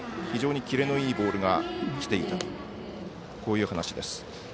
非常にキレのいいボールがきていたとこういう話です。